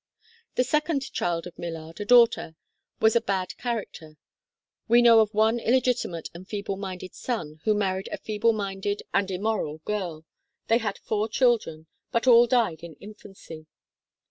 The second child of Millard, a daughter, was a bad character. We know of one illegitimate and feeble minded son who married a feeble minded and immoral 24 THE KALLIKAK FAMILY girl. They had four children, but all died in infancy.